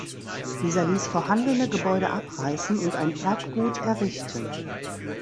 Dieser ließ vorhandene Gebäude abreißen und ein Erbgut errichten.